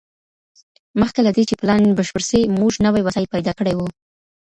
مخکي له دې چي پلان بشپړ سي موږ نوي وسايل پيدا کړي وو.